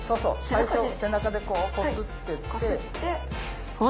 最初背中でこうこすってって。